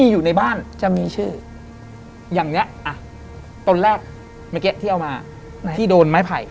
อย่างนี้ต้นแรกที่เอามาที่โดนไม้ไผ่